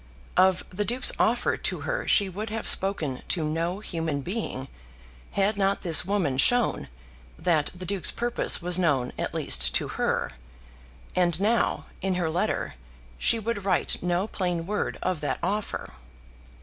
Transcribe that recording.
Of the Duke's offer to her she would have spoken to no human being, had not this woman shown that the Duke's purpose was known at least to her, and now, in her letter, she would write no plain word of that offer.